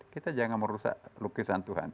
kita jangan merusak lukisan tuhan